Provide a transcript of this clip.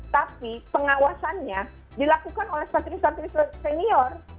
tapi pengawasannya dilakukan oleh santri santri senior